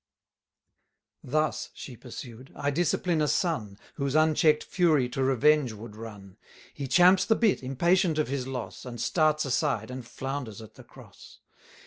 Thus (she pursued) I discipline a son, Whose uncheck'd fury to revenge would run: He champs the bit, impatient of his loss, 300 And starts aside, and flounders at the Cross.